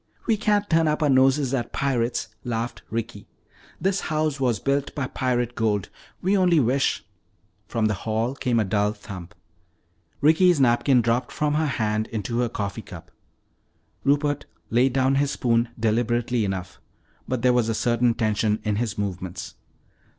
"We can't turn up our noses at pirates," laughed Ricky. "This house was built by pirate gold. We only wish " From the hall came a dull thump. Ricky's napkin dropped from her hand into her coffee cup. Rupert laid down his spoon deliberately enough, but there was a certain tension in his movements.